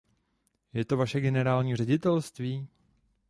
Je to vaše generální ředitelství?